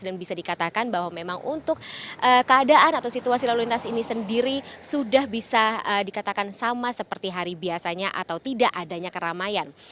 dan bisa dikatakan bahwa memang untuk keadaan atau situasi lalu lintas ini sendiri sudah bisa dikatakan sama seperti hari biasanya atau tidak adanya keramaian